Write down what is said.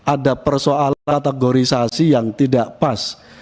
ada persoalan kategorisasi yang tidak pas